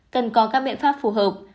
cần có các biện pháp phù hợp